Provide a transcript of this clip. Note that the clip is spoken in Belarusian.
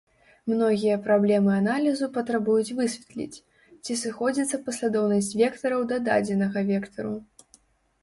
Многія праблемы аналізу патрабуюць высветліць, ці сыходзіцца паслядоўнасць вектараў да дадзенага вектару.